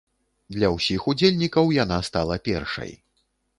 Для ўсіх удзельнікаў яна стала першай.